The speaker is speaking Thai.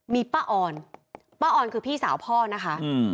มีป้าออนป้าออนคือพี่สาวพ่อนะคะ